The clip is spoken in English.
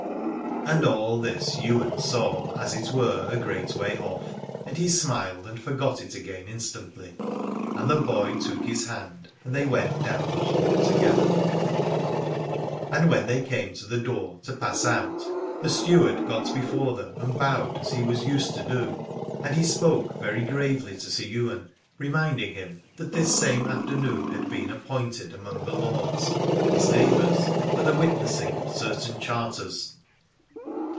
And all this Ywain saw as it were a great way off, and he smiled, and forgot it again instantly. And the boy took his hand, and they went down the hall together. 5 Aladore And when they came to the door to pass out, the steward got before them and bowed as he was used to do, and he spoke very gravely to Sir Ywain, reminding him that this same afternoon had been appointed among the lords, his neighbours, for the witnessing of certain charters.